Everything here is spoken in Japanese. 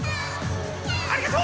ありがとう！